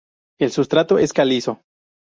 El sustrato es calizo.